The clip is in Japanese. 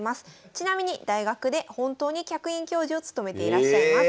ちなみに大学で本当に客員教授を務めていらっしゃいます。